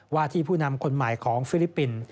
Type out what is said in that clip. ว่าที่ผู้นำคนใหม่ของฟิลิปปินส์